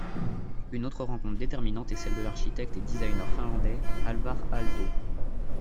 Une autre rencontre déterminante est celle de l'architecte et designer finlandais, Alvar Aalto.